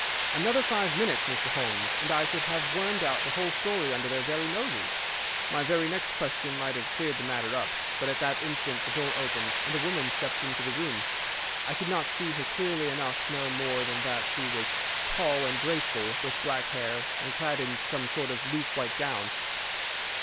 _' "Another five minutes, Mr. Holmes, and I should have wormed out the whole story under their very noses. My very next question might have cleared the matter up, but at that instant the door opened and a woman stepped into the room. I could not see her clearly enough to know more than that she was tall and graceful, with black hair, and clad in some sort of loose white gown.